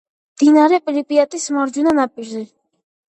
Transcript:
მდინარე პრიპიატის მარჯვენა ნაპირზე.